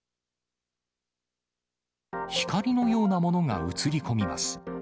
光のようなものが映り込みます。